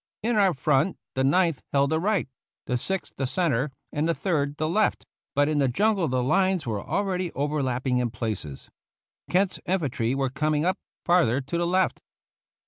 In our front the Ninth held the right, the Sixth the centre, and the Third the left; but in the jungle the lines were already overlapping in places. Kent's infantry were com ing up, farther to the left.